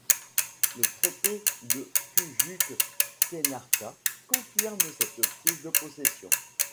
Le traité de Küçük Kaynarca confirme cette prise de possession.